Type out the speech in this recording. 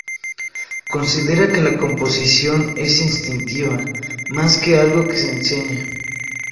Considera que la composición es instintiva, más que algo que se enseña.